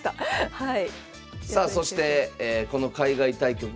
はい。